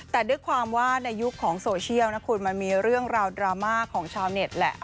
แต่ด้วยความว่าในยุคของโซเชียลนะคุณมันมีเรื่องราวดราม่าของชาวเน็ตแหละ